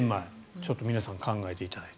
ちょっと皆さん考えていただいて。